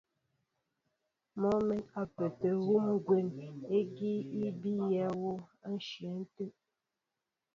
Mɔ mɛ̌n a pə́ə́tɛ́ hú gwɛ̌m ígi í bíyɛ wɔ á ǹshwɛn tə̂.